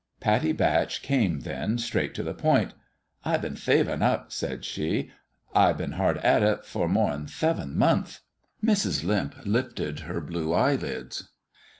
Pattie Batch came then straight to the point. " I been thavin' up," said she. " I been hard at it for more 'n theven monthth." Mrs. Limp lifted her blue eyelids.